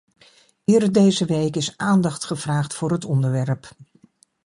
Eerder deze week is aandacht gevraagd voor het onderwerp.